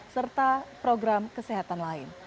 serta program kesehatan lain